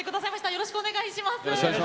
よろしくお願いします。